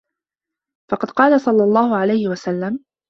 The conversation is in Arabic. فَقَدْ قَالَ صَلَّى اللَّهُ عَلَيْهِ وَسَلَّمَ